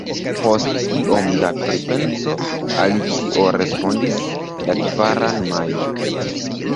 Post iom da pripenso Alicio respondis: la kvaran Majo.